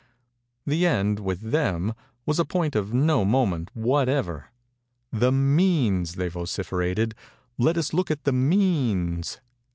The end, with them, was a point of no moment, whatever:—'the means!' they vociferated—'let us look at the means!